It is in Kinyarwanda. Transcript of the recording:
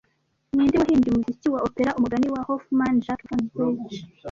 Ninde wahimbye umuziki wa opera Umugani wa Hoffman Jacques Offenbach